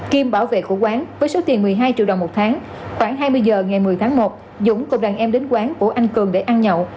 kiêm bảo vệ của quán với số tiền một mươi hai triệu đồng một tháng khoảng hai mươi giờ ngày một mươi tháng một dũng cùng đàn em đến quán của anh cường để ăn nhậu